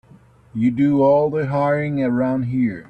You do all the hiring around here.